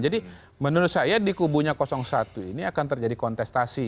jadi menurut saya di kubunya kosong satu ini akan terjadi kontestasi